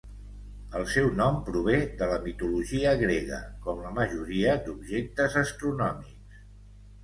El seu nom prové de la mitologia grega; com la majoria d'objectes astronòmics.